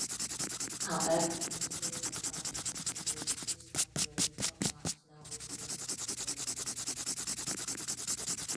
However, the space of functions to which this operator maps now influences the definition.